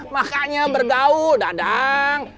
makanya berdauh dadang